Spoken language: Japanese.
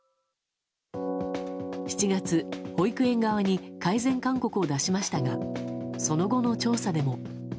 ７月、保育園側に改善勧告を出しましたがその後の調査でも。